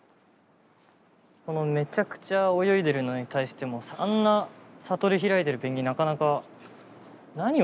このめちゃくちゃ泳いでるのに対してあんな悟り開いてるペンギンなかなか。